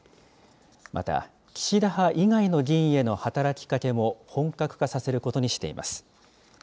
また、岸田派以外の議員への働きかけも本格化させることにしています。